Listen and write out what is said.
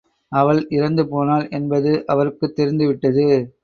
அவள் இறந்துபோனாள் என்பது அவருக்குத் தெரிந்துவிட்டது.